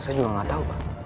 saya juga gak tau pak